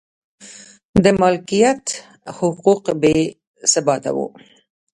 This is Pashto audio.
د مالکیت حقوق بې ثباته و